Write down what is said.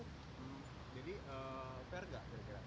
jadi fair nggak